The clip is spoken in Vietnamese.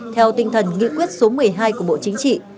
theo tinh thần nghị quyết số một mươi hai của bộ chính trị